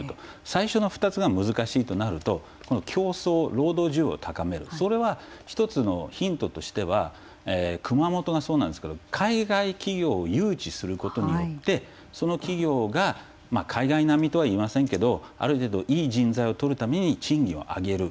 最初の２つが難しいとなると競争、労働需要を高めるそれは１つのヒントとしては熊本がそうなんですけど海外企業を誘致することによってその企業が海外並みとはいいませんけどある程度いい人材をとるために賃金を上げる。